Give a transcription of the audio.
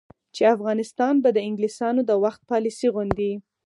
چې افغانستان به د انګلیسانو د وخت پالیسي غوندې،